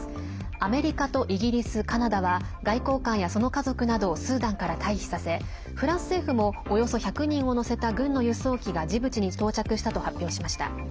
アメリカとイギリス、カナダは外交官や、その家族などをスーダンから退避させフランス政府もおよそ１００人を乗せた軍の輸送機がジブチに到着したと発表しました。